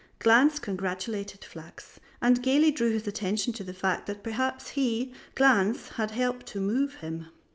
Glanz congratulated Flachs, and gayly drew his attention to the fact that perhaps he, Glanz, had helped to move him.